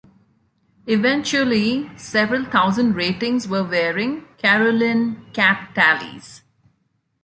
Eventually several thousand ratings were wearing "Caroline" cap tallies.